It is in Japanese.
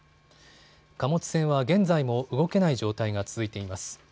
貨物船は現在も動けない状態が続いています。